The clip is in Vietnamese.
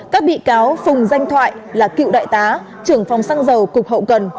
các bị cáo phùng danh thoại là cựu đại tá trưởng phòng xăng dầu cục hậu cần